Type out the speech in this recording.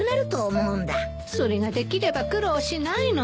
それができれば苦労しないのよ。